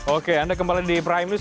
oke anda kembali di prime news